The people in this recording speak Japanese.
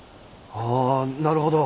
ああなるほど。